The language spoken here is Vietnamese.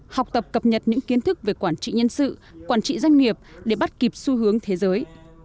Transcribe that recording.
học tập cập nhật những kiến thức về quản trị nhân sự quản trị doanh nghiệp để bắt kịp xu hướng thế giới